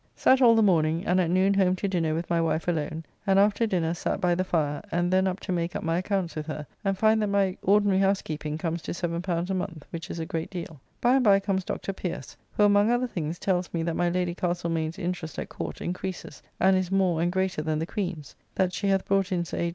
Sat all the morning, and at noon home to dinner with my wife alone, and after dinner sat by the fire, and then up to make up my accounts with her, and find that my ordinary housekeeping comes to L7 a month, which is a great deal. By and by comes Dr. Pierce, who among other things tells me that my Lady Castlemaine's interest at Court increases, and is more and greater than the Queen's; that she hath brought in Sir H.